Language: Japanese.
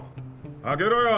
開けろよ！